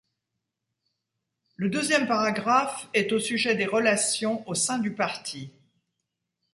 Le deuxième paragraphe est au sujet des relations au sein du parti.